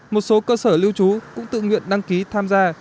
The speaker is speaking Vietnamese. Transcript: một số cơ sở lưu trú cũng tự nguyện đăng ký tham gia